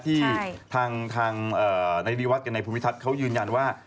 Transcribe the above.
ที่ทางนายนิวัตรกับในภูมิทัศน์เขายืนยันว่า